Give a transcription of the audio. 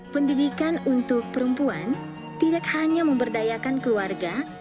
pendidikan untuk perempuan tidak hanya memberdayakan keluarga